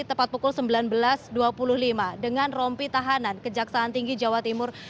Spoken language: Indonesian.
tepat pukul sembilan belas dua puluh lima dengan rompi tahanan kejaksaan tinggi jawa timur